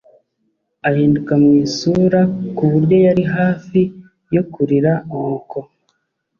ahinduka mwisura kuburyo yari hafi yo kurira nuko